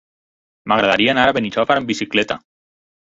M'agradaria anar a Benijòfar amb bicicleta.